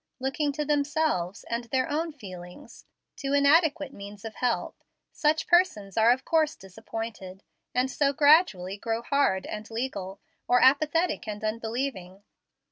Looking to themselves and their own feelings, to inadequate means of help, such persons are of course disappointed; and so gradually grow hard and legal, or apathetic and unbelieving.